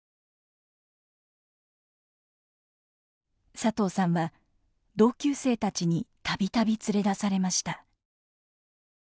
佐藤さんは同級生たちに度々連れ出されました。